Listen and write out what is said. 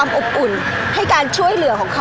พี่ตอบได้แค่นี้จริงค่ะ